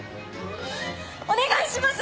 お願いします！